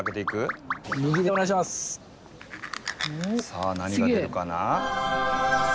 さあ何が出るかな？